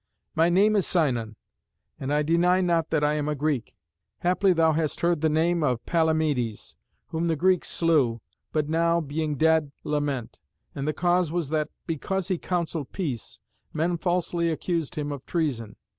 My name is Sinon, and I deny not that I am a Greek. Haply thou hast heard the name of Palamedes, whom the Greeks slew, but now, being dead, lament; and the cause was that, because he counselled peace, men falsely accused him of treason.